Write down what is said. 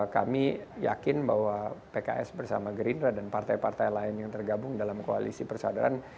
kami yakin bahwa pks bersama gerindra dan partai partai lain yang tergabung dalam koalisi persaudaraan